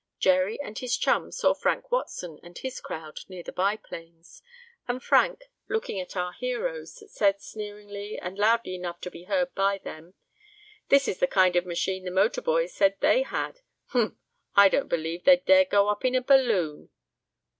Jerry and his chums saw Frank Watson and his crowd near the biplanes, and Frank, looking at our heroes, said sneeringly, and loudly enough to be heard by them: "This is the kind of machine the motor boys said they had. Humph! I don't believe they'd dare go up in a balloon!"